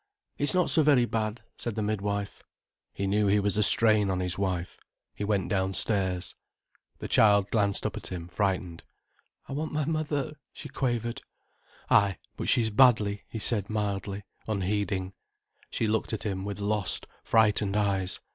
"It's not so very bad," said the midwife. He knew he was a strain on his wife. He went downstairs. The child glanced up at him, frightened. "I want my mother," she quavered. "Ay, but she's badly," he said mildly, unheeding. She looked at him with lost, frightened eyes.